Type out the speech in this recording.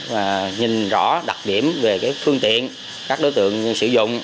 và nhìn rõ đặc điểm về phương tiện các đối tượng sử dụng